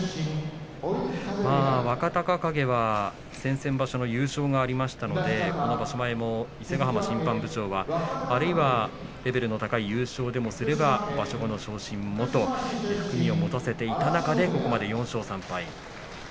若隆景は先々場所の優勝がありましたのでこの場所前も伊勢ヶ濱審判部長はあるいはレベルの高い優勝でもすれば場所後の昇進もと含みを持たせていた中でここまで４勝３敗。